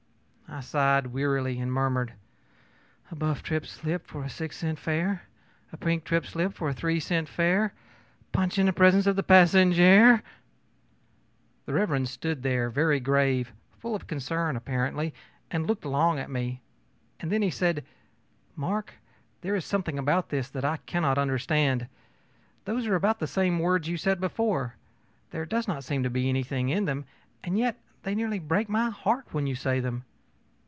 ö I sighed wearily; and murmured: ōA buff trip slip for a six cent fare, a pink trip slip for a three cent fare, punch in the presence of the passenjare.ö Rev. Mr. stood there, very grave, full of concern, apparently, and looked long at me; then he said: ōMark, there is something about this that I cannot understand. Those are about the same words you said before; there does not seem to be anything in them, and yet they nearly break my heart when you say them.